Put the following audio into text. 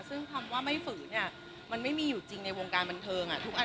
ซึ่งคำว่าไม่ฝืนเนี่ยมันไม่มีอยู่จริงในวงการบันเทิง